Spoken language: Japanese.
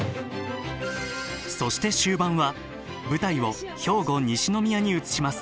そして終盤は舞台を兵庫西宮に移します。